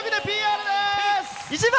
１番